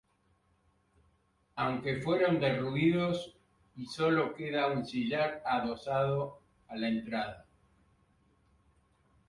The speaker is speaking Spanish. Aunque fueron derruidos, y solo queda un sillar adosado a la entrada.